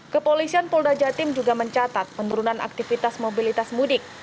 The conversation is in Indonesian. kepolisian polda jatim juga mencatat penurunan aktivitas mobilitas mudik